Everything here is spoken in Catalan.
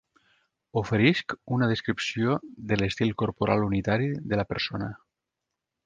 Oferisc una descripció de l'estil corporal unitari de la persona.